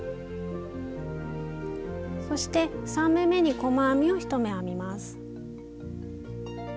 そして３目めに細編みを１目編みます。